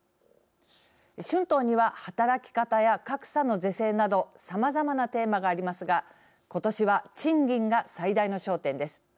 春闘には働き方や格差の是正などさまざまなテーマがありますが今年は、賃金が最大の焦点です。